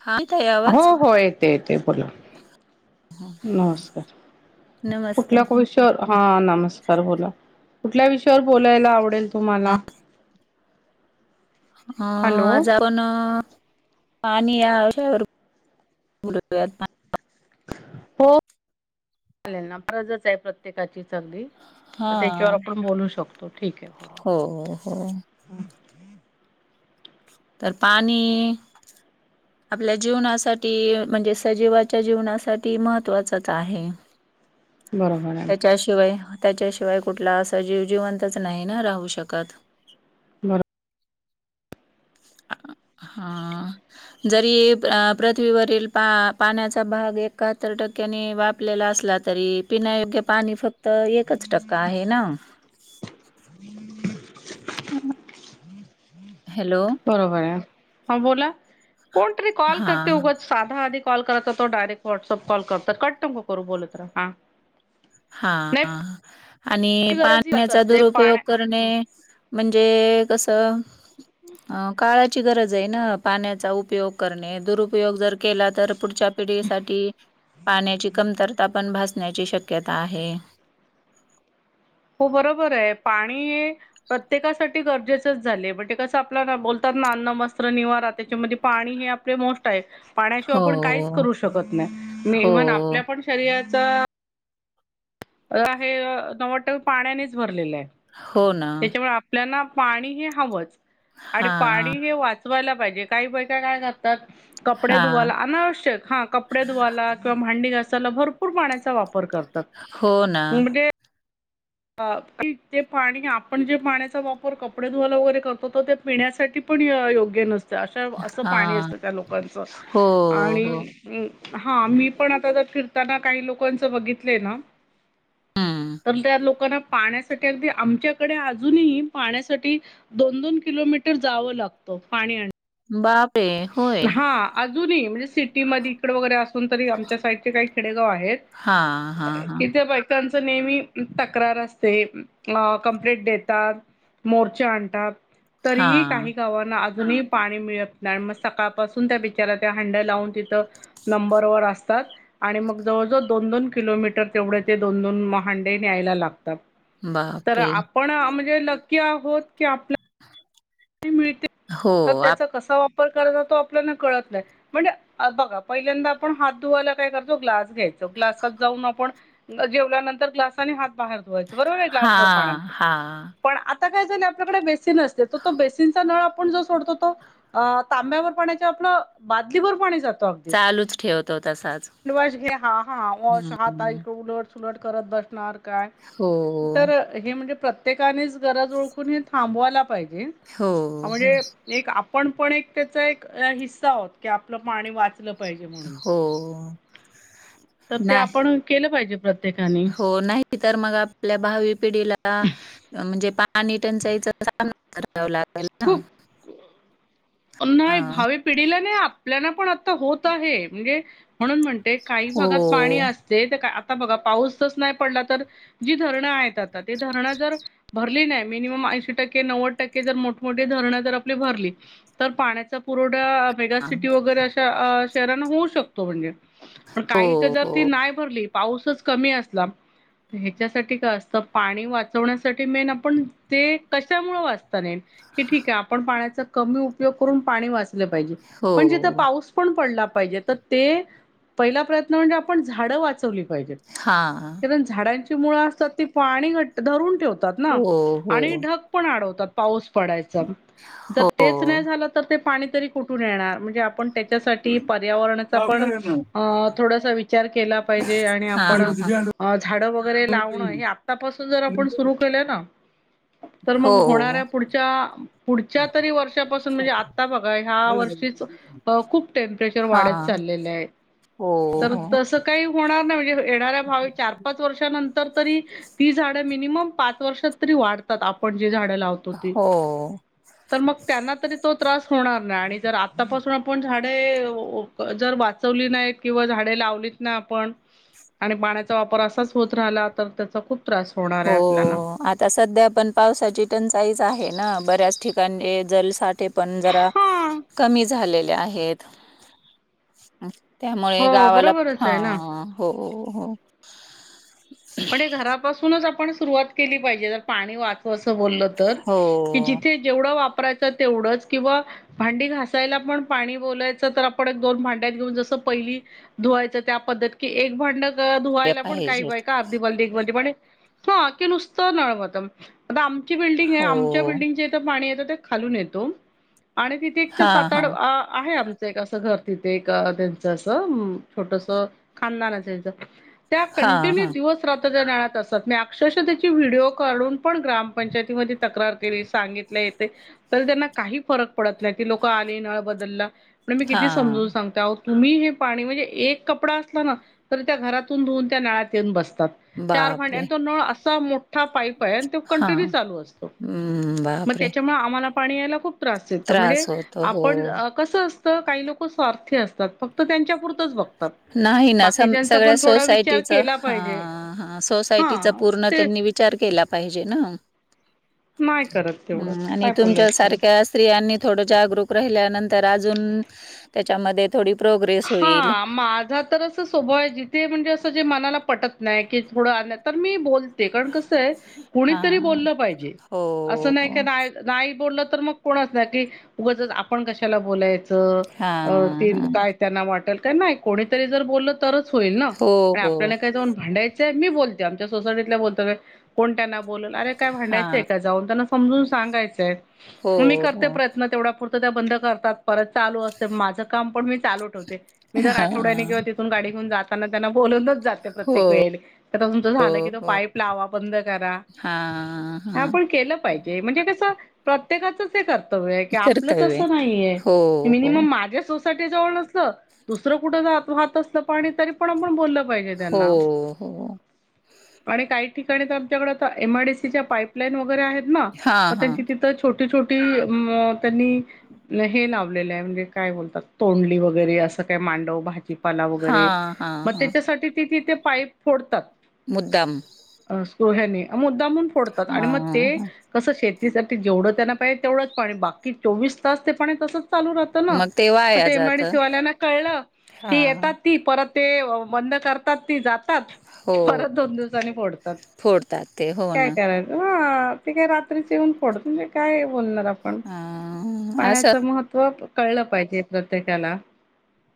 हा का आहे आवाज. ते ते बला नमस्कार नमस्ते कुठल्या भविष्यावर हा नमस्कार बोला. कुठल्या विषयावर बोलायला आवडेल तुम्हाला अ हॅलो आज हो आपण आणि या विषयावर बोलत हो चालेल ना गरजच आहे प्रत्येकाची चांगली हा तर त्याच्यावर आपण बोलू शकतो ठीक आहे. हो हो तर पाणी आपल्या जीवनासाठी म्हणजे सजीवाच्या जीवनासाठी महत्त्वाचाच आहे. बरोबर आहे त्याच्याशिवाय त्याच्याशिवाय कुठला असा जीव जिवंतच नाही ना राहू शकत बरोबर. हा. जरी पृथ्वीवरील पाण्याचा भाग एकाहत्तर टक्क्यांनी वापलेला अस तरी पिण्यायोग्य पाणी फक्त एकच टक्का आहे ना [unintelligible] हम्म. बरोबर आहे हा बोला कोण तरी कॉल करते हा उगाच साधा आणि कॉल करत तो डायरेक्ट व्हॉट्सअप कॉल करतात कट्ट नको करू बोलत राहा. हा नाही आणि गरज हीच पाण्याचा असते दुरुपयोग करणे पाण्या म्हणजे कसं अ काळाची गरज आहे ना पाण्याचा उपयोग करणे दुरुपयोग जर केला तर पुढच्या पिढीसाठी पाण्याची कमतरता पण भासण्याची शक्य क्यता आहे. हो बरोबर आहे पाणी हे प्रत्येकासाठी गरजेचच झालेय पर ते कसं आपल्याला बोलतात ना अन्न, वस्त्र, निवारा त्याच्यामध्ये पाणी हे आपलं मोस्ट आहे हो, पाण्याशिवाय आपण काहीच करू शकत नाही हो, इवन आपल्या पण शरीराचा हे नव्वद टक्के पाण्यानेच भरलेलं आहे हो ना. त्याच्यामुळे आपल्याना पाणी हे हवंच आणि हां, पाणी हे वाचवायला पाहिजे काही बायका काय कर तात कपडे हां. धुवाला अनवश्यक कपडे धुवायला किवा भांडी घा सायला भरपूर पाण्याचा वापर करतात. हो ना. अ की ते पाणी आपण जे पाण्याचा वापर कपडे धुवाला वगैरे करतो तर ते पिण्यासाठी पण योग्य नसतं अशा असं पाणी हां. असतं त्या लोकांचं हो, आणि हो. अ हा मी पण आता जर फिरताना काही लोकांच बघितलंय ना हं. तर त्या लोक काना पाण्यासाठी अगदी आमच्याकडे अजूनही पाण्यासाठी दोन दोन किलोमीटर जावं लागतो पाणी आणाय बापरे! होय. हा अजूनही म्हणजे सिटीमध्ये इकडे वगैरे असून तरी आमच्या साईड काही खेडे हो आहेच हां, हां, हां. की पटण नेहमी तक्रार असते कमप्लेंट देतात मोर्चे आणतात. तरीही काही हां. गावांना अजूनही पाणी मिळत नाही नाय मग सकाळपासून त्या बिचार्या त्या हंडे लावून तिथं नंबर वर असतात आणि मग जवळ कस दोन दोन किलोमीटर तेवढे ते दोन दोन म हांडे न्यायला लागतात तर बापरे! आपण म्हणजे लकी आहोत की आप मिळते हो. तर आप त्याचा कसा वापर तो करतो आपल्याना कळत नाही म्हणजे बघा पहिल्यांदा आपण हात धुवायला काय करतो ग्लास घेतो ग्लासात जाऊन आपण जेवल्यानंतर आपण ग्लासाने हात बाहेर धुवायचो बरोबर हाय का ग्लासभर हां, पाण्यात हां. पण आता काय झालय आपल्याकडे बेसीन असते तो तो बेसिनचा नळ आपण जो सोडतो तो तांब्यावर पाण्याच्या आपलं बादलीवर पाणी जात चालूच ठेवतो तसाच हॅन्ड वॉश घे हा हा वॉश हम्म. हाताइकड उलट सुलट करत बसणार काय हो, तर हे म्हणजे प्रत्येकानेच गरज ओळखून हे थांबवायला पाहीजे हो, हो. म्हणजे एक आपण आपण एक त्याचा एक हिस्सा आहोत की आपलं पाणी वाचलं पाहिजे म्हणून. हो तर ते नाही आपण केलं पाहिजे प्रत्येकाने हो, नाही तर मग आपल्या भावी पिढीला म्हणजे पाणी टंचाईचा सांडमारा करावा लागला ना खूप नाही हां. भावी पिढीला नाही आपल्याना पण आता होत आहे म्हणजे म्हणून म्हण ते काही भागात पाणी हो. असते तर काय आप आता बघा पाऊसच नाही पडला तर जी धरणं आहेत आता ते धरणं जर भरली नाही मिनिमम आप ऐंशी टक्के नव्वद टक्के जर मोठमठ्ठी धरणं जर आपली भरली तर पाण्याचा पुरवठा हां. मेगासिटी वगैरे अशा शहरांना होऊ शकतो म्हणजे पण हो, काही च जर हो, ती नाही भरली पाऊसच कमी असला हेच्यासाठी काय असतं पाणी वाचवण्यासाठी मेन आपण ते कशामुळे वाचतं क नई ते ठीक आहे आपण पाण्याचा कमी उपयोग करून पाणी जपलं पाहीजे हो. पण जिथ पाऊस पण पडला तर ते पहिला प्रयत्न म्हणजे आपण झाड वाचवली पाहीजे हां. कारण झाडांची मुळ असं ती पाणी घट धरून ठेवतात तात ना हो, हो, आणि ढग पण आडवतात पाऊस पडायचा तर हो. ते नाही झालं तर ते पाणी तरी कुठून येणार म्हणजे आपन त्यासाठी पर्यावरणाचा हां, पण हां, हां. अ थोडासा विचार केला पाहिजे आणि आपण अ झाडं वगैरे लावणं हे आतापासून जर आपण सुरू केलं ना तर मग होणाऱ्या हो. पुढच्या पुढच्या तरी वर्ष पासुन म्हणजे आता बघा ह्या वर्षीच खूप टेम्परेचर वाढत हां. चाललेले आहे. हो, तर हो, तस काही होणार नाही म्हणजे येणाऱ्या भावी चार पाच वर्षांनंतर नंतर तरी ती झाड मिनिमम पाच वर्षात तरी वाढतात आपन झाड लावतो ते हो. तर मग त्यांना तरी तो त्रास होणार नाही आणि जर आतापासून आपण झाडे जर वाचवली नाही किंवा झाडे लावलीत ना आपण आणि पाण्याचा वापर असाच होत राहिला तर त्याचा त्रास होणार हो आहे आपल्याला. आता सध्या पण पावसाची टंचाईच आहे. बऱ्याच ठिकाणी जल साठे पण जरा हा, कमी झालेत. ते आहेत आहे त्यामुळे हो गावाला बरोबरच हा आहे ना. हो हो म्हणे घरापासूनच आपण सुरुवात केली पाहिजे जर पाणी वाच बोललो तर की हो जिथे जेवढ वा परायचं तेवढंच किंवा भांडी घासायला पण पाणी बोलायच तर आपण एक दोन भांड्यात घेऊन ज पहिली धुवायच त्या पद्धत एक भांड ते धुवायला पण काही बाई पाहिजेत का अर्धी बार्डी एक बार्डी पण ह की नुसतं नळ मत आता आमची बिल्डिंग आहे हो आमच्या बिल्डिंगचे इथं पाणी येतं ते खालून येतो. आणि तिथे एक तर हा हा साताड आहे आम एक असं घर तिथे एक त्यांचं असं छोटस खानदानच आहेच त्यां त्या हा कंटिन्यू हा [unintelligible] नळात असतात मी अक्षरश त्याची व्हिडिओ काढून पण ग्रामपंचायतीमध्ये तक्रार केली सांगित येते तर त्यांना काही फरक पडत नाही की लोक आले नळ बदलला. पण मी किती हा समजून सांगता तुम्ही हे पाणी म्हणजे एक कपडा असला ना तर त्या घरातून धुऊन त्या नळात येऊन बसता. चार भांड्या बापरे तो नळ असा मो ठा पाईप आहे आणि तो हा कंटिन्यू चालू असतो हम्म मग बापरे त्याच्यामुळे आम्हाला पाणी यायला खूप [unintelligible] म्हणजे त्रास होतो हो आपण कसं असत काही लोक स्वार्थी असतात फक्त त्यांच्यापूर नाही ना सम सगळ्या थोडा विचार सोसायटीचं केला हा पाहिजे. हा सोसायटीचा हा पूर्ण ते त्यांनी विचार केला पाहिजे ना नाही करत तेवढं हम्म आणि काय तुमच्या बोलायचं. सारख्या स्त्रियांनी थोड जागरूक राहिल्यानंतर अजून त्याच्यामध्ये थोडी प्रोग्रेस होईल. हा माझा तर असं स्वभाव आहे जिथे म्हणजे असं जे मनाला पटत नाही की थोडं तर मी बोलते कारण कस कोणी तरी हां. बोललं पाहीजे हो, अस नाही की हो. आहे नाही बोललं तर मग कोणच नाही की उगचच आपण कशाला बोलायचं हां, ते हां. काय त्यांना वाटेल का नाही कोणीतरी जर बोललं तरच होईल ना हो, आणि हो. आपल्याला काय जाऊन भांडायचं मी बोलते आमच्या सोसायटीतला बोलतो कोण त्यांना बोलल अरे काय भांडायचंय हां. का जाऊन त्यांना समजुन सांगायचंय हो, मग मी करते हो. प्रयत्न तेवढा त्या बंद करतात परत चालू असतय माझं काम पण मी चालू ठेवते मी तर आठवड्यानी हां. किंवा तिथून गाडी घेऊन जाताना त्यांना बोलत पण जाते हो, प्रत्येक वेळेला तर तुमचं झालं की तो हो. पाईप लावा किंवा बंद करा. हां, हां. आपण केलं पाहिजे म्हणजे कसं प्रत्येकाचच हे कर्तव्य आहे की आपलंच कर्तव्य. असं नाहीे हो, हो. मिनिमम माझ्या सोसायटी जवळ नसत दुसर कुठ जर वाहत असत पाणी तरी पण आपण बोल पाहिजे हो, त्यांना हो. आणि काही ठिकाणी तर आमच्याकडे एमआरडीसीच्या पाईपलाईन वगैरे आहेत ना म हां, त्यांची हां. तिथं छोटी छोटी छोटी त्यांनी हे लावलेलं आहे म्हणजे काय बोलतात. तोंडली वगैरे असं काय मांडव भाजीपाला वगैरे हां, हां, मग हां. त्याच्यासाठी ती तिथे. पाईप फोडतात...... मुद्दाम. [unintelligible] सो याने मुद्दाममून फोडतात आणि मग ते हां, हां. कस शेत- साठी जेवढं त्यांना पाहिजे तेवढंच पाणी बाकी चोवीस तास ते पाणी तसच चालू राहतं ना. मग मग वाया ते जातं. एमआयडीसीवाल्यांना कळलं की येतात हां. ती परत ते बंद करतात ती जाता- हो. परत दोन दिवसाांनी फोडतात फोडतात ते. हो काय ना. करायच ह. ते काय रात्रीच येऊन फोडत म्हणजे काय बोलणार आपण हां. असं पाण्याचं महत्त्व. कळलं पाहिजे प्रत्येकाला.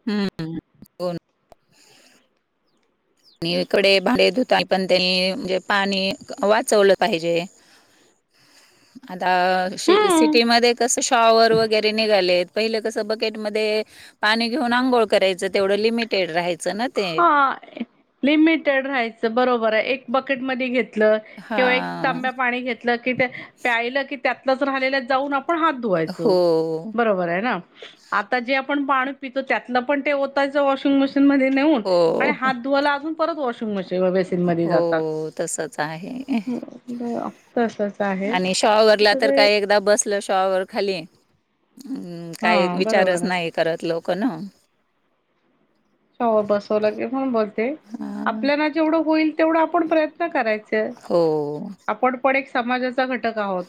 हम्म हो ना. आणि इकडे भाडे धुता पण त्यांनी म्हणजे पाणी वाचवलं पाहिजे. आता हम्म आ-सिटी मधे कस शॉवर वगैरे निघालेत. पहिलं कसं बकेट मध्ये पाणी घेऊन आंघोळ करायचं तेवढं लिमिटेड राहायचं. ना ते. हा लिमिटेड राहायचं बरोबर आहे एक बकेटमध्ये घेत. किंवा एक हां. तांब्या पाणी घेतलं क प्यायल की त्यातच राहिल जाऊन आपण- ण हात धुवायच हो. बरोबर आहे ना. पण पाणी पितो त्यातलं पण ते होताच वॉशिंग मशीन मध्ये नेऊन आणि हो. हात धुवायला अजून- परत वॉशिंग मशीन बेसिन मध्ये जातात. हो. तसंच आहे तसच आहे आणि शावरला तर काय एकदा बसल शावर खाली. हम् काय हा बरोबर विचारच आहे नाही करत लोक ना. हो बसवलं गे म्हणून बोलते हां. आपल्याला जेवढं होईल तेवढं आपण प्रयत्न करायच. हो. आपण पण एक समाजच. घटक आहोत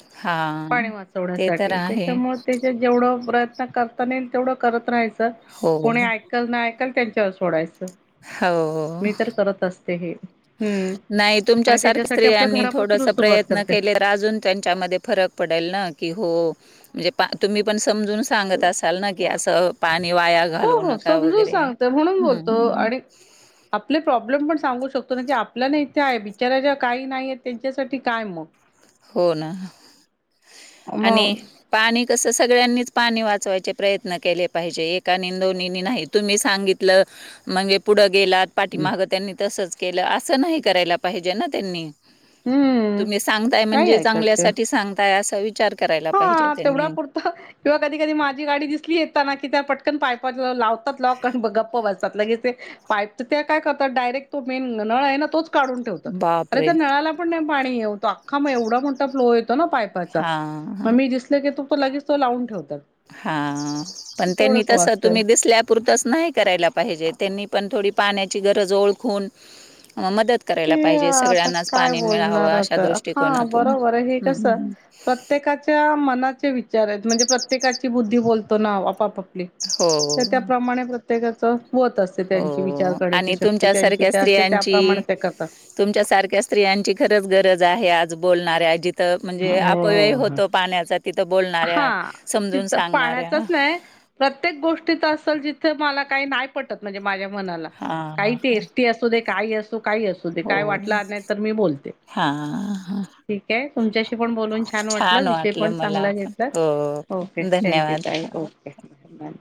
पाणी हां. ते तर वाचवण्यासाठी आहे. त्याच्यामुळे त्याच्या जेवढ प्रत- करता नाही तेवढं करत रायच हो, कोणी ऐकाल ना ऐकाल त्यांच्यावर सोडायच. हो. मी तर करत असते हे ह्म्म्म. नाही तुमच्यासारख्या स्त्रियांनी थोडस सुरुवात प्रयत्न करते केले तर अजून त्यांच्यामध्ये फरक पडेल ना. हो म्हणज त पण समजून सांगत असाल ना की असं पाणी वाया हो घालू हो नका समजून वगैरे. सांगते म्हणून हम्म बोलतो हम आणि आपले प्रॉब्लेम पण सांगू शकतो ना की आपल्या ना इथे आहे बिचाराच्या काही नाहीय त्यांच्यासाठी काय मग. हो ना आणि मग पाणी कस सगळ्यांनीच. पाणी वाचवायचे प्रयत्न केले पाहिजे एकानी दोननी नाही तुम्ही सांगितलं म्हणजे पुढ गेलात पाठी माहागं त्यांनी तसच केलं असं नाही करायला पाहिजे ना त्यांनी. हम्म तुम्ही सांगताय नाही म्हणजे ऐकत ते चांगल्यासाठी सांगताय असा विचार. करायला पाहिजे हा तेवढा त्यांनी. पुरत किंवा कधी कधी माझी गाडी दिसली यता ना कि त्या पटकन पायपा लावत. [unintelligible] गप्प बसतात लगेच ते पाईप चं काय करतात डायरेक्ट तो मेन नळ आहे ना तोच. काढून ठेवत अरे बापरे! त्या नळाला पण पाणी नाही येत आखा एवढा मो फ्लो. हा हा असले की तो लगेच तो लावून ठेवतो. हा पण त्यांनी तस वाचतंय तुम्ही दिसल्यापुरतंच नाही करायला पाहिजे त्यांनी. पण थोडी पाण्याची गरज ओळखून. मदत करायला ते पाहिजे आता सगळ्यांनाच काय पाणी मिळावं बोलणार अशा आता हा दृष्टिकोनातून बरोबर हे ह. कसं प्रत्येकाच्या मनाच्या [unintelligible] [unintelligible] विचार म्हणजे प्रत्येकाची बुद्धी बोलतो ना आपपली हो, त्याप्रमाणे. प्रत्येकाच मत असते त्यांची विचार हो. करण्याची शक्ती त्यांची काय असते त्याप्रमाणे. ते करतात. तुमच्या सारख्या स्त्रियांची खरंच गरज आहे आज बोलणारे अजित. हो म्हणजे अपय्यय हो हो. होतो पाण्याचा तिथं बोल. हा तिथं पाण्याचाच नाही प्रत्येक गोष्टी तर असेल जिथे. का नाही पटत म्हणजे माझा मनाला हां, कायं ते स्टे असुदे कायही असुदे. तो काही असू दे काय हो. वाटला नाही तर मी बोलते हां, हां. ठीक आहे तुमच्याशी पण बोलून छान वाटलं विषय पण मला चांगला पण. घेतला हो. ओके थँक्यू धन्यवाद. ताई हो. ओके धन्यवाद..